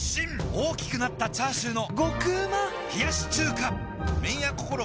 大きくなったチャーシューの麺屋こころ